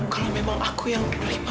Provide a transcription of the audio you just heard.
kalau memang aku yang